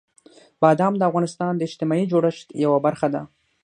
بادام د افغانستان د اجتماعي جوړښت یوه برخه ده.